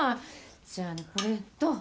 じゃあこれとこれ。